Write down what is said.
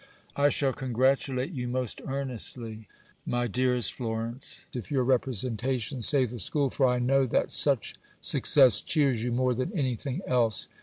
I shall congratulate you most earnestly, my dearest Florence, if your representations save the School, for I know that such success cheers you more than anything else."